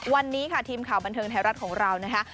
วันนี้ค่ะทีมข่าวบันเทิงไทยรัฐของเรานะคะ